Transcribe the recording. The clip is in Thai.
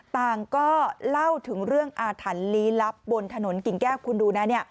ต่างก็เล่าถึงเรื่องอาถรรพ์ลี้ลับบนถนนกิ่งแก้วคุณดูนะ